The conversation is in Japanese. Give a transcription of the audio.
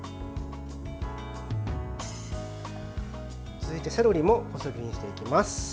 続いて、セロリも細切りにしていきます。